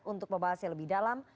untuk membahasnya lebih dalam